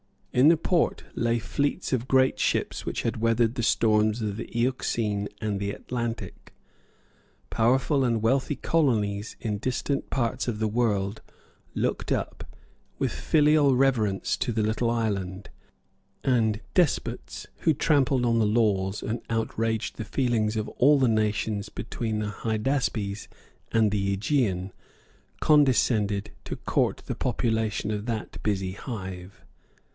In the port lay fleets of great ships which had weathered the storms of the Euxine and the Atlantic. Powerful and wealthy colonies in distant parts of the world looked up with filial reverence to the little island; and despots, who trampled on the laws and outraged the feelings of all the nations between the Hydaspes and the Aegean, condescended to court the population of that busy hive.